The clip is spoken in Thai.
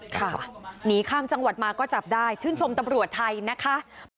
หนีข้ามจังหวัดมาก็จับได้ชื่นชมตำรวจไทยนะคะ